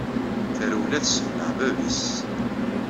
Tarewla tessemnaɛ baba-is.